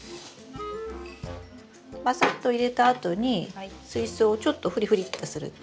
バサッと入れたあとに水槽をちょっとフリフリッとすると均一に。